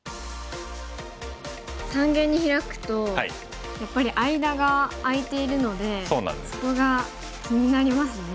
三間にヒラくとやっぱり間が空いているのでそこが気になりますね。